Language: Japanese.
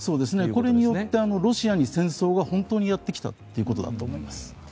これによってロシアに戦争が本当にやってきたということだと思います。